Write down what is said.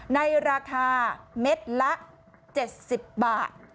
ในราคาเม็ดละ๗๐บาท